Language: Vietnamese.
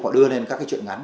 họ đưa lên các chuyện ngắn